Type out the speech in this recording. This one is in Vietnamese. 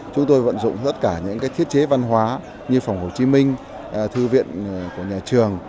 chúng tôi vận dụng tất cả những thiết chế văn hóa như phòng hồ chí minh thư viện của nhà trường